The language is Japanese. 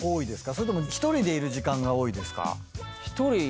それとも１人でいる時間が多いですか？